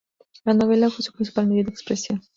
La novela fue su principal medio de expresión.